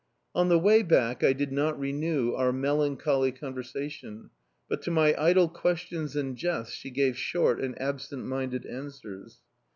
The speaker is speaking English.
On the way back, I did not renew our melancholy conversation, but to my idle questions and jests she gave short and absent minded answers.